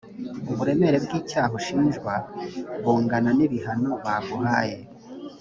uburemere bw icyaha ushinjwa bungana nibihano baguhaye